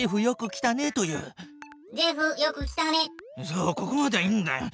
そうここまではいいんだよ。